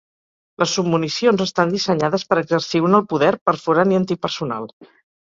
Les submunicions estan dissenyades per exercir un alt poder perforant i antipersonal.